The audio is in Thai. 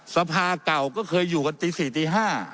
สภาเก่าก็เคยอยู่กันตี๔ตี๕